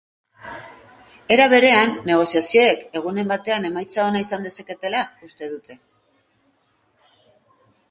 Era berean, negoziazioek egunen batean emaitza ona izan dezaketela uste dute.